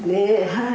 はい。